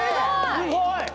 すごい！